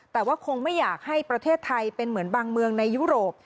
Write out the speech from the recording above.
แต่ว่าคงไม่อยากให้ประเทศไทยเป็นเหมือนบางเมืองในยุโรป